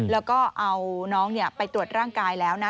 แล้วก็เอาน้องไปตรวจร่างกายแล้วนะ